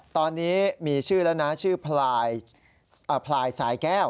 ตอนนี้มีชื่อแล้วนะชื่อพลายพลายสายแก้ว